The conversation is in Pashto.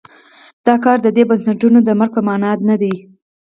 دا کار د دې بنسټونو د مرګ په معنا نه دی.